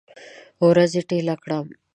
ورځې ټیله کړم